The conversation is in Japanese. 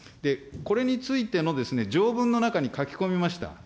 これについての条文の中に書き込みました。